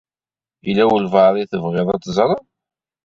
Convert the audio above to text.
Yella walebɛaḍ i tebɣiḍ ad teẓṛeḍ?